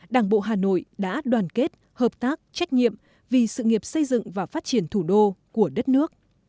đảng bộ hà nội đã đoàn kết hợp tác trách nhiệm vì sự nghiệp xây dựng và phát triển thủ đô của đất nước